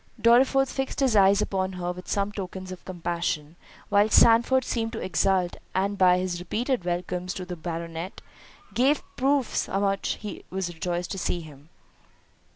Dorriforth fixed his eyes upon her with some tokens of compassion, while Sandford seemed to exult, and by his repeated "Welcomes" to the Baronet, gave proofs how much he was rejoiced to see him.